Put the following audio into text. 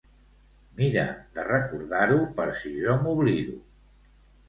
Mira de recordar-ho per si jo m'oblido.